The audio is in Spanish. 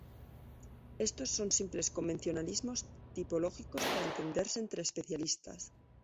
Estos son simples convencionalismos tipológicos para entenderse entre especialistas.